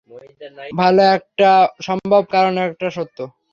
ভাল, এটা সম্ভব কারণ এটা সত্য।